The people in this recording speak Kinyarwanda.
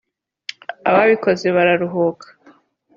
ababikoze bararuhuka